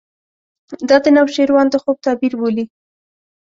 دا د نوشیروان د خوب تعبیر بولي.